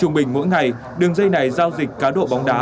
trung bình mỗi ngày đường dây này giao dịch cá độ bóng đá